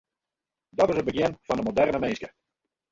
Dat is it begjin fan de moderne minske.